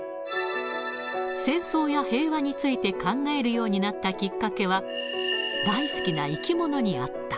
戦争や平和について考えるようになったきっかけは、大好きな生き物にあった。